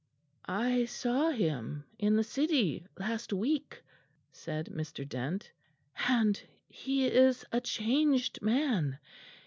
"I saw him in the City last week," said Mr. Dent, "and he is a changed man.